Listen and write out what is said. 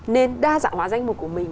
nên đa dạng hóa danh mục của mình